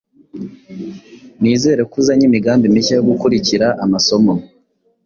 Nizere ko uzanye imigambi mishya yo gukurikira amasomo.